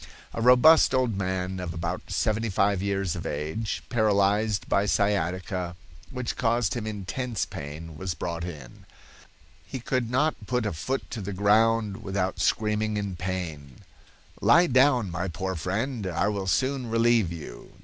A robust old man of about seventy five years of age, paralyzed by sciatica, which caused him intense pain, was brought in. "He could not put a foot to the ground without screaming with pain. 'Lie down, my poor friend; I will soon relieve you.' Dr.